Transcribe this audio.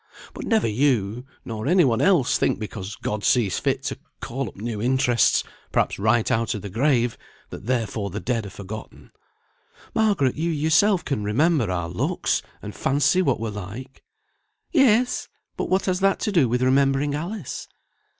But never you, nor any one else, think because God sees fit to call up new interests, perhaps right out of the grave, that therefore the dead are forgotten. Margaret, you yourself can remember our looks, and fancy what we're like." "Yes! but what has that to do with remembering Alice?"